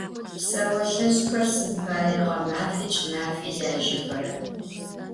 Pseolheş'xer, sıd paê ğemafi ç'ımafi lajexera?